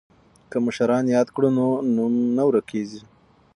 که مشران یاد کړو نو نوم نه ورکيږي.